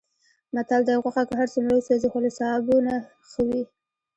متل دی: غوښه که هرڅومره وسوځي، خو له سابو نه ښه وي.